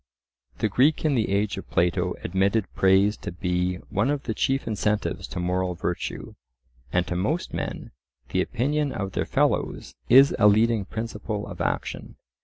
The Greek in the age of Plato admitted praise to be one of the chief incentives to moral virtue, and to most men the opinion of their fellows is a leading principle of action.